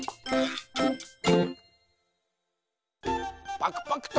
パクパクと。